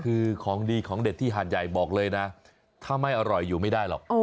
คือของดีของเด็ดที่หาดใหญ่บอกเลยนะถ้าไม่อร่อยอยู่ไม่ได้หรอก